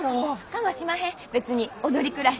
かましまへん別に踊りくらい。